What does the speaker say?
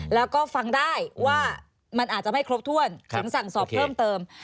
แล้วก็ฟังได้ว่ามันอาจจะไม่ครบถ้วนถึงสั่งสอบเพิ่มเติม